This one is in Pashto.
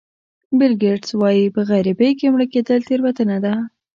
بیل ګېټس وایي په غریبۍ کې مړ کېدل تېروتنه ده.